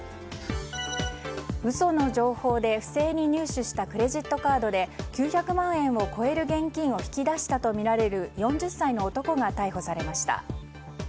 嘘の情報で不正に入手したクレジットカードで９００万円を超える現金を引き出したとみられる４０歳の男が逮捕されました。